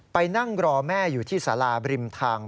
ไปนั่งรอแม่อยู่ที่สาราบริมทาง